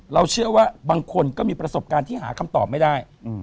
เชื่อว่าบางคนก็มีประสบการณ์ที่หาคำตอบไม่ได้